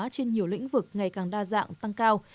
trên nhiều lĩnh vực ngày càng đa dạng tăng cao